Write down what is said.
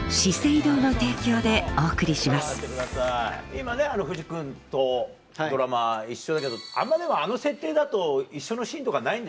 今ね藤木君とドラマ一緒だけどあんまでもあの設定だと一緒のシーンとかないんでしょ？